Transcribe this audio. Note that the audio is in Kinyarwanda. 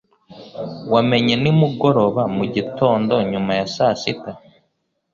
Wamenye nimugoroba, mugitondo, nyuma ya saa sita,